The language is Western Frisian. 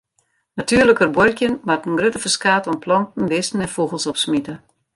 Natuerliker buorkjen moat in grutter ferskaat oan planten, bisten en fûgels opsmite.